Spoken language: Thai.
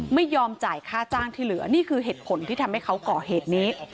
ไม่ยอมจ่ายค่าจ้างที่เหลือนี่คือเหตุผลที่ทำให้เขาก่อเหตุนี้